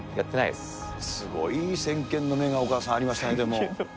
すごい、先見の明がお母さん、ありましたね、でも。